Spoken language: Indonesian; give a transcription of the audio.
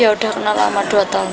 ya udah kenal lama dua tahun